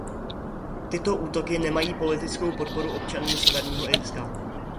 Tyto útoky nemají politickou podporu občanů Severního Irska.